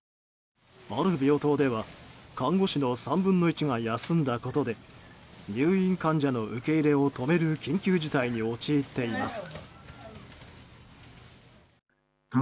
ある病棟では看護師の３分の１が休んだことで入院患者の受け入れを止める緊急事態に陥っています。